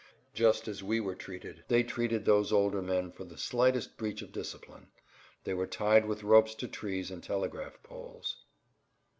Just as we were treated they treated those older men for the slightest breach of discipline; they were tied with ropes to trees and telegraph poles.